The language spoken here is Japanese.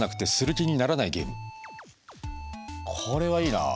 これはいいなあ。